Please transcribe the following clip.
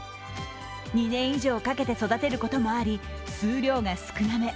２年以上かけて育てることもあり、数量が少なめ。